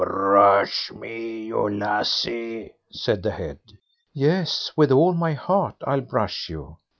"Brush me, you lassie", said the head. "Yes, with all my heart I'll brush you."